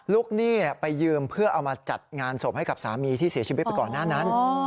หนี้ไปยืมเพื่อเอามาจัดงานศพให้กับสามีที่เสียชีวิตไปก่อนหน้านั้น